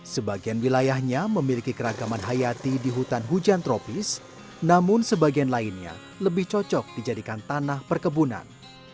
sebagian wilayahnya memiliki keragaman hayati di hutan hujan tropis namun sebagian lainnya lebih cocok dijadikan tanah perkebunan